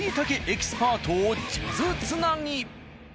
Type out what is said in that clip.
エキスパートを数珠つなぎ。